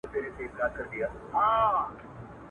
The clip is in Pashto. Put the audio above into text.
شپه سوه تېره پر اسمان ختلی لمر دی.